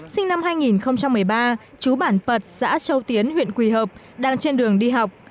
sinh năm hai nghìn một mươi ba chú bản pật xã châu tiến huyện quỳ hợp đang trên đường đi học